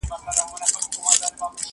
زه پرون د کتابتون د کار مرسته کوم؟